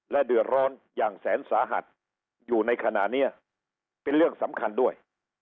และเดือดร้อนอย่างแสนสาหัสอยู่ในขณะนี้เป็นเรื่องสำคัญด้วย